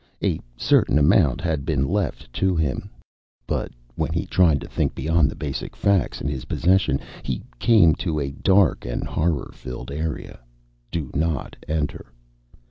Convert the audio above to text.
A certain amount had been left to him. But when he tried to think beyond the basic facts in his possession, he came to a dark and horror filled area. _Do Not Enter.